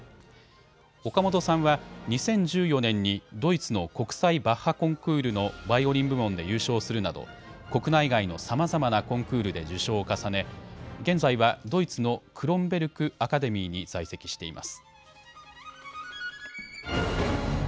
岡本さんは２０１４年にドイツの国際バッハコンクールのバイオリン部門で優勝するなど国内外のさまざまなコンクールで受賞を重ね現在はドイツのクロンベルク・アカデミーに在籍しています。